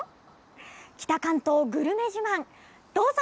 北関東グルメ自慢どうぞ。